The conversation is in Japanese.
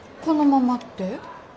このままって？